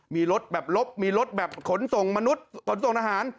มีรถแบบลบมีรถแบบขนส่งมนุษย์ขนส่งทหาร